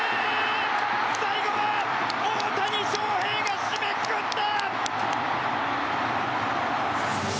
最後は大谷翔平が締めくくった！